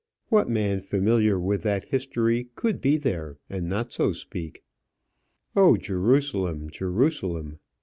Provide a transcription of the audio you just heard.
What man familiar with that history could be there and not so speak? "O, Jerusalem, Jerusalem!